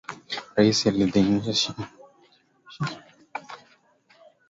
Rais aliidhinisha shilingi bilioni thelathini na nne